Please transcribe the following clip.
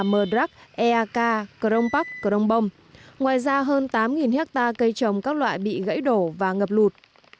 mờ đắc eak crong bắc crong bông ngoài ra hơn tám hectare cây trồng các loại bị gãy đổ và ngập lụt